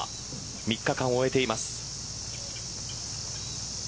３日間を終えています。